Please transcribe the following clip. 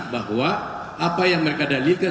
bahwa apa yang mereka dalihkan